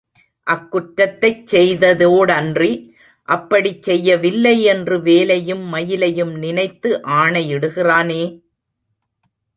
அக்குற்றத்தைச் செய்ததோடன்றி, அப்படிச் செய்யவில்லை என்று வேலையும் மயிலையும் நினைத்து ஆணை இடுகிறானே!